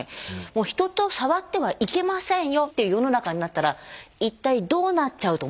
もう人と触ってはいけませんよっていう世の中になったら一体どうなっちゃうと思いますか？